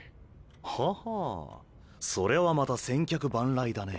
ほほうそれはまた千客万来だね。